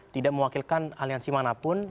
tidak mewakilkan aliansi manapun